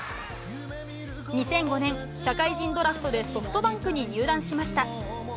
２００５年、社会人ドラフトでソフトバンクに入団しました。